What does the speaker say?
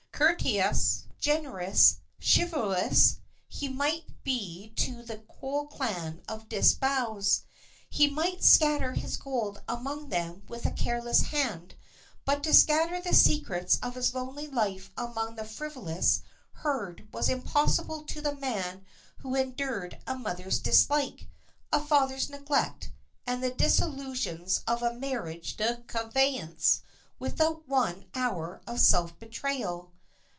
Courteous, generous, chivalrous, he might be to the whole clan of Disbrowes. He might scatter his gold among them with a careless hand; but to scatter the secrets of his lonely life among that frivolous herd was impossible to the man who had endured a mother's dislike, a father's neglect, and the disillusions of a mariage de convenance, without one hour of self betrayal.